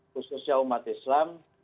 khususnya umat islam